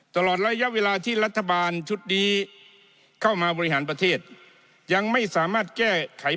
ตลอดระยะเวลาที่รัฐบาลชุดนี้เข้ามาบริหารประเทศยังไม่สามารถแก้ไข